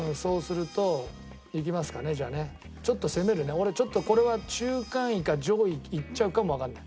俺ちょっとこれは中間位か上位いっちゃうかもわかんない。